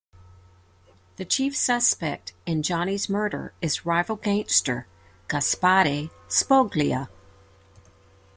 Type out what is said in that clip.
The chief suspect in Johnny's murder is rival gangster Gaspare Spoglia.